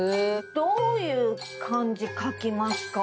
どういう漢字書きますか？